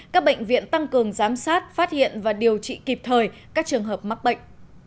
các bệnh viện tăng cường giám sát phát hiện và điều trị kịp thời các trường hợp mắc bệnh